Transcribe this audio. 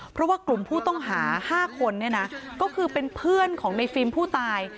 เพราะว่ากลุ่มผู้ต้องหา๕คนเนี่ยนะก็คือเป็นเพื่อนของในฟิล์มผู้ตาย